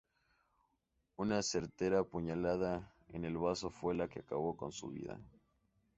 Una certera puñalada en el bazo fue la que acabó con su vida.